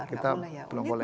kita belum boleh